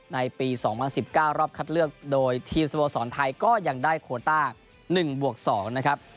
ในปี๒๐๑๙รอบคัดเลือกโดยทีมสโมสรไทยก็ยังได้โคต้า๑บวก๒นะครับ